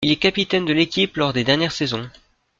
Il est capitaine de l'équipe lors des dernières saisons.